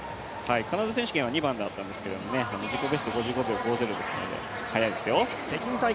カナダ選手権は２番だったんですけれども、自己ベスト５５秒５０ですので、速いですよ。